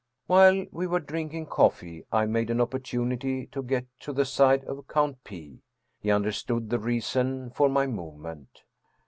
While we were drinking coffee I made an opportunity to get to the side of Count P. He understood the reason for my movement.